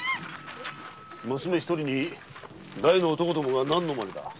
娘一人に大の男どもが何のマネだ！